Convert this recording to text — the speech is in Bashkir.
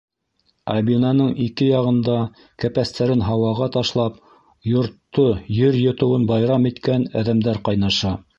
Ә бинаның ике яғында, кәпәстәрен һауаға ташлап, йортто ер йотоуын байрам иткән әҙәмдәр ҡайнаша.